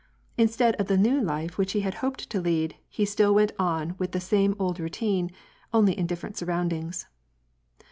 Instead of the new life which he had hoped to lead, he still went on with the same old routine, only in different surroundings.